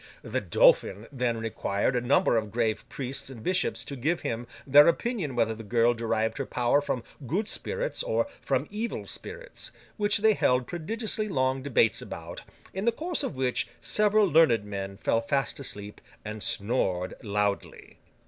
The Dauphin then required a number of grave priests and bishops to give him their opinion whether the girl derived her power from good spirits or from evil spirits, which they held prodigiously long debates about, in the course of which several learned men fell fast asleep and snored loudly.